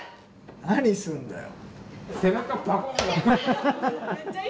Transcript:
何すんだよ。